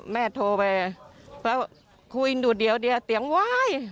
แม่โทรไปเพราะว่าคุยดูเดี๋ยวเสียงไหว้